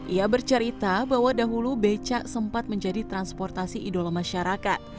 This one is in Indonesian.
ia bercerita bahwa dahulu becak sempat menjadi transportasi idola masyarakat